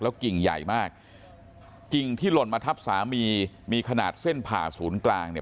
กิ่งใหญ่มากกิ่งที่หล่นมาทับสามีมีขนาดเส้นผ่าศูนย์กลางเนี่ย